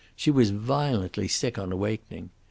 She was violently sick on awakening.